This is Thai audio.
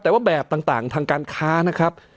แต่ว่าแบบต่างทางการค้านะครับ